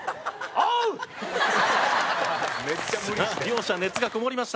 おう！両者熱がこもりました。